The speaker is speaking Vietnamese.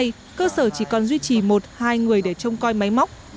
cơ sở chế biến gỗ bóc chỉ còn duy trì một hai người để trông coi máy móc